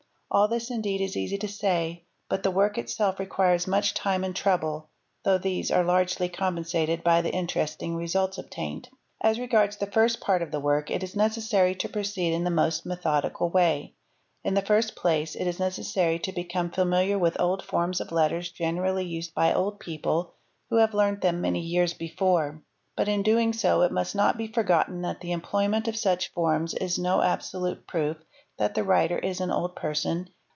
All this indeed is easy to say, but the work itself requires much time and trouble, though these are largely compensated by the interesting results obtained. As regards the first part of the work it is necessary to proceed in the most methodical way. In the first place it is necessary to become familiar with old forms of letters generally used by old people who have learnt them many years before ; but in doing so it must not be forgotten that the employment of such forms is no absolute proof that the writer is an old person any 'more than the employment of more modern letters proves the writer to 'be a young person.